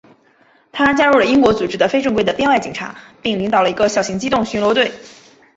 他加入了英国组织的非正规的编外警察并领导了一个小型机动巡逻队。